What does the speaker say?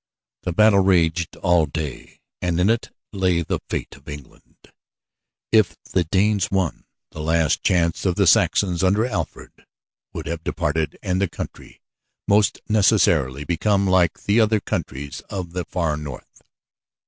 The battle raged all day, and in it lay the fate of England. If the Danes won, the last chance of the Saxons under Alfred would have departed and the country must necessarily become like the other countries of the far north.